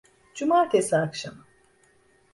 Cumartesi akşamı.